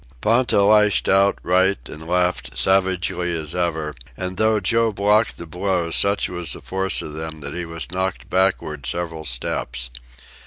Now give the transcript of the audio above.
Ponta lashed out, right and left, savagely as ever, and though Joe blocked the blows, such was the force of them that he was knocked backward several steps.